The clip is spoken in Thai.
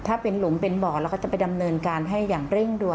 ถ้าเป็นหลุมเป็นบ่อเราก็จะไปดำเนินการให้อย่างเร่งด่ว